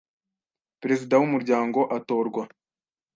Perezida w Umuryango atorwa